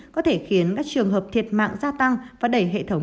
có thể khiến các trường hợp thiệt mạng gia tăng và đẩy hệ thống